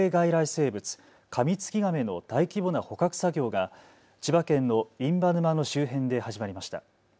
生物、カミツキガメの大規模な捕獲作業が千葉県の印旛沼の周辺で始まりました。